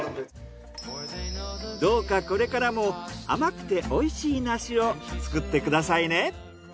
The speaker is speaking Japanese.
どうかこれからも甘くて美味しい梨を作ってくださいね。